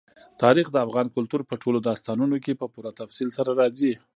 تاریخ د افغان کلتور په ټولو داستانونو کې په پوره تفصیل سره راځي.